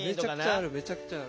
めちゃくちゃある。